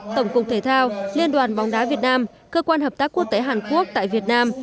tổng cục thể thao liên đoàn bóng đá việt nam cơ quan hợp tác quốc tế hàn quốc tại việt nam